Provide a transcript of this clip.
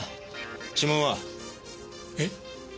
指紋は？えっ？